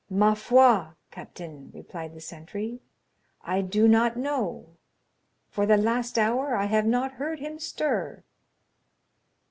"Ma foi, captain," replied the sentry, "I do not know; for the last hour I have not heard him stir."